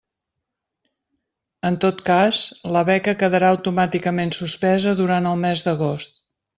En tot cas, la beca quedarà automàticament suspesa durant el mes d'agost.